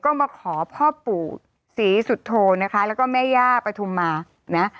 ก็มาขอพ่อปู่ศรีสุโธนะคะแล้วก็แม่ย่าปฐุมมานะ